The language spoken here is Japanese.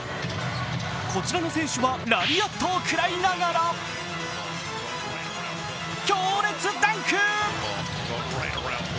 こちらの選手はラリアットをくらいながら強烈ダンク。